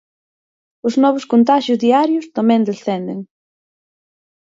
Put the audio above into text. Os novos contaxios diarios tamén descenden.